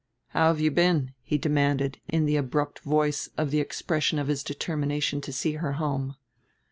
"How have you been?" he demanded in the abrupt voice of the expression of his determination to see her home.